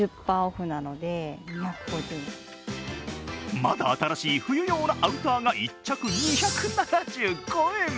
まだ新しい冬用のアウターが１着２７５円。